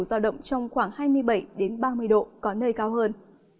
giao động trong khoảng hai mươi bảy ba mươi độ có nơi cao hơn